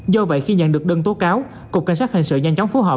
do vậy khi nhận được đơn tố cáo cục cảnh sát hình sự nhanh chóng phối hợp